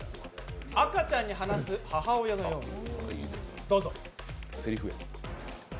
赤ちゃんに話す母親のように、どうぞ。